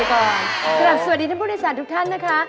สวัสดีท่านผู้โดยสารทุกท่านนะคะ